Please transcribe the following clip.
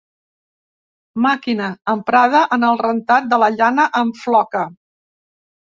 Màquina emprada en el rentat de la llana en floca.